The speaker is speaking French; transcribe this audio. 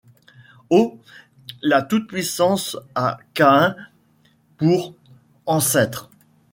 Oh ! la toute-puissance a Caïn pour ancêtre.